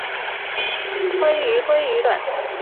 鲑鱼鲑鱼卵